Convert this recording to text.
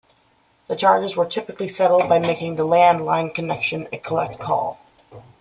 The charges were typically settled by making the landline connection a collect call.